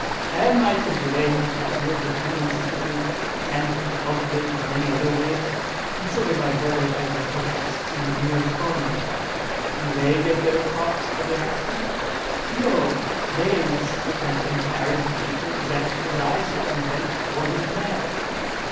Am I to blame if the field of human sympathy can't be cultivated in any other way? Consult my brother agriculturists in the mere farming line—do they get their crops for the asking? No! they must circumvent arid Nature exactly as I circumvent sordid Man.